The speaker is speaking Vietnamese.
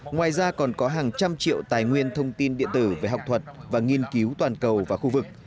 ngoài ra còn có hàng trăm triệu tài nguyên thông tin điện tử về học thuật và nghiên cứu toàn cầu và khu vực